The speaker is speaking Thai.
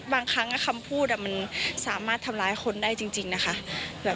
บางครั้งคำพูดมันสามารถทำร้ายคนได้จริงนะคะ